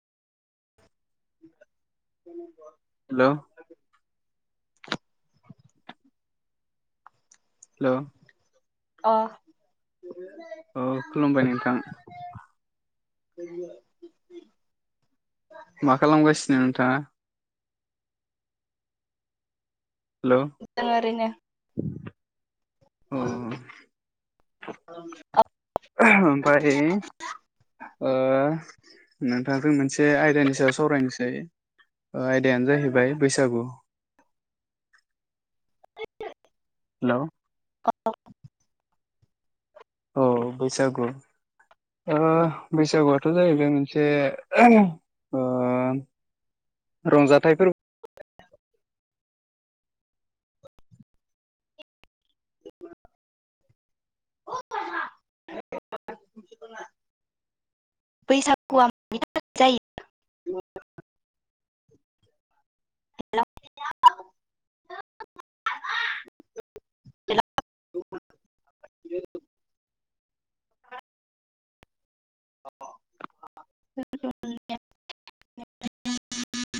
हेल' hello अ अ खुलुमबाय नोंथां मा खालामगासिनो नोंथाङा? हेल' जों ओरैनो औ [unintelligible] ओमफ्राय नोंथाजों मोनसे आयदानि सायाव सावरायनोसै आयदायानो जाहैबाय बैसागु हेल' औ औ बैसागु ओ‌ बैसागुआथ' जाहैबाय मोनसे ओ रंजाथाइ फोरबो [unintelligible] बैसागुआ [unintelligible] [unintelligible] [inaudible] [unintelligible] [unintelligible]